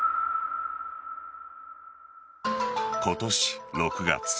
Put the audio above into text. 今年６月。